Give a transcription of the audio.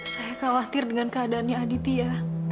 saya khawatir dengan keadaannya aditya